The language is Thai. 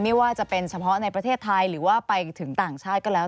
ไม่ว่าจะเป็นเฉพาะในประเทศไทยหรือว่าไปถึงต่างชาติก็แล้ว